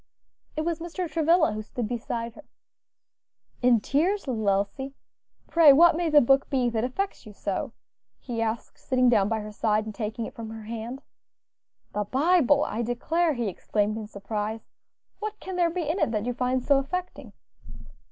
It was Mr. Travilla who stood beside her. "In tears, little Elsie! Pray, what may the book be that effects you so?" he asked, sitting down by her side and taking it from her hand. "The Bible, I declare!" he exclaimed in surprise. "What can there be in it that you find so affecting?"